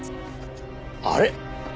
あれ？